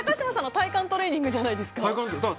体幹トレーニングじゃないですか。